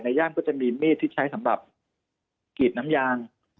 ย่ามก็จะมีมีดที่ใช้สำหรับกรีดน้ำยาง